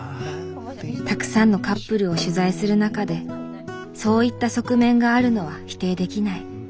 沢山のカップルを取材する中でそういった側面があるのは否定できない。